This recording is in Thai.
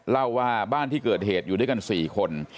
เล่าว่าบ้านที่เกิดเหตุอยู่ด้วยกัน๔คน